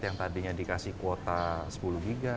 yang tadinya dikasih kuota sepuluh giga